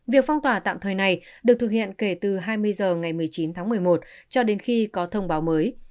việc phong tỏa tạm thời này được thực hiện kể từ hai mươi h ngày một mươi chín tháng một mươi một cho đến khi có thông báo mới